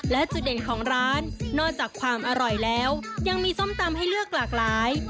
และจุดเด่นของร้านนอกจากความอร่อยแล้วยังมีส้มตำให้เลือกหลากหลาย